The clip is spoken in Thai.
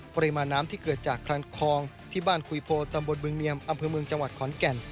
ปริมาณน้ำที่เกิดจากคลังคลองที่บ้านคุยโพตำบลบึงเนียมอำเภอเมืองจังหวัดขอนแก่น